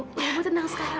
kamu tenang sekarang